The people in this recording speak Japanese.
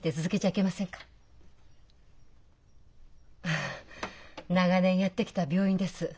あ長年やってきた病院です。